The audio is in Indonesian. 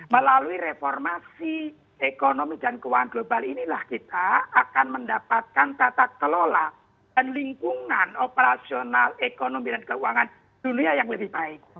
melalui reformasi ekonomi dan keuangan global inilah kita akan mendapatkan tata kelola dan lingkungan operasional ekonomi dan keuangan dunia yang lebih baik